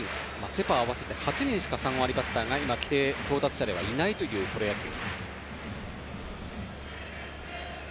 セ・パ合わせて８人しか３割バッターが規定到達者ではいないというプロ野球。